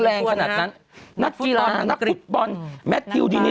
คนแข็งแรงขนาดนั้นนักกีฬานักฟุตบอลแมทีวดีนี้